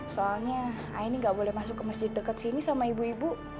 soalnya aini gak boleh masuk ke masjid deket sini sama ibu ibu